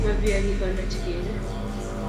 Ma piyonyi konda che keerei.